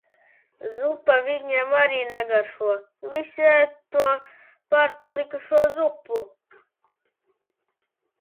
Zupa viņam arī negaršo. Visi ēd to pārpalikušo zupu.